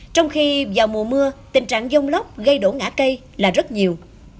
trong khi vào mùa mưa tình trạng dông lốc gây đổ ngã cây là rất nhiều